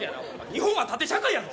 日本は縦社会やぞ！